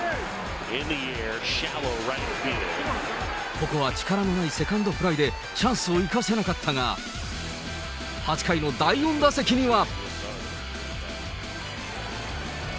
ここは力のないセカンドフライでチャンスを生かせなかったが、８回の第４打席には。